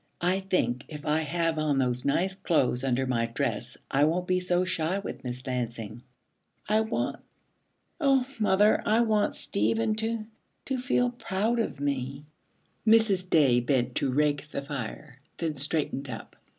I think if I have on those nice clothes under my dress I won't be so shy with Miss Lansing. I want O, mother, I want Stephen to to feel proud of me.' Mrs. Day bent to rake the fire, then straightened up.